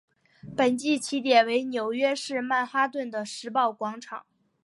本季起点为纽约市曼哈顿的时报广场。